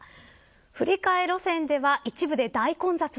振り替え路線では一部で大混雑も。